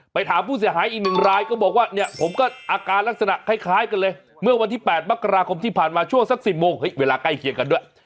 ถามผู้เสียหายอีกหนึ่งรายก็บอกว่าเนี่ยผมก็อาการลักษณะคล้ายกันเลยเมื่อวันที่๘มกราคมที่ผ่านมาช่วงสัก๑๐โมงเวลาใกล้เคียงกันด้วย